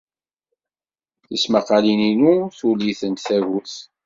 Tismaqqalin-inu tuli-tent tagut.